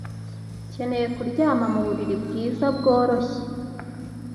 nkeneye kuryama muburiri bwiza bworoshye.